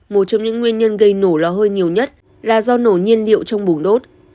một trong những nguyên nhân gây nổ lò hơi nhiều nhất là do nổ nhiên liệu trong bùng đốt